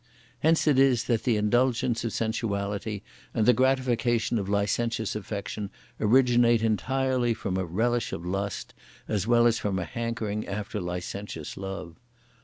Hence it is that the indulgence of sensuality and the gratification of licentious affection originate entirely from a relish of lust, as well as from a hankering after licentious love.